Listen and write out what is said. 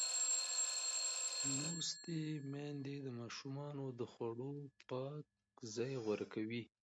لوستې میندې د ماشومانو د خوړو پاک ځای غوره کوي.